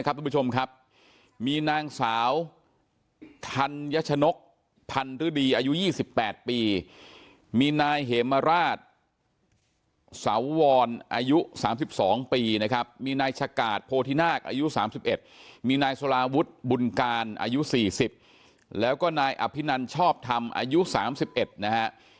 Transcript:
พันธุรมีอายุ๒๘ปีมีนายเฮมราชย์สาววรอายุ๓๒ปีนะครับนายชากาทโพธินาฆอายุ๓๑มีนายสลาวุธบุญการอายุ๔๐แล้วก็นายอภินันย์ชอบทำอายุ๓๑นะฮะ